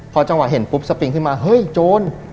พอจังหวะเห็นปุ๊บสปริงขึ้นมาเฮ้ยโจร